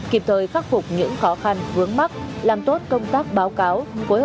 kịp thời khắc phục những khó khăn vướng mắt làm tốt công tác báo cáo